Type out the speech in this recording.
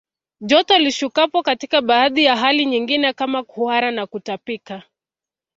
Joto lishukapo katika baadhi ya hali nyingine kama kuhara na kutapika